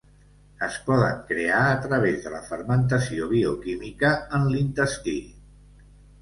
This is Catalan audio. Es poden crear a través de la fermentació bioquímica en l'intestí.